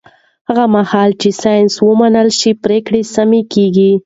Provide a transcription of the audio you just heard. هغه مهال چې ساینس ومنل شي، پرېکړې سمې کېږي.